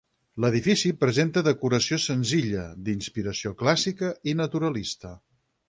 L'edifici presenta decoració senzilla, d'inspiració clàssica i naturalista.